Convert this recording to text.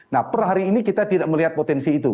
nah per hari ini kita tidak melihat potensi itu